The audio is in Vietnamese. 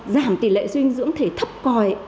giảm tỉ lệ dinh dưỡng thể thấp còi